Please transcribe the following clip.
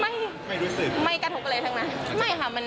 ไม่ไม่กระทุกอะไรทั้งนั้น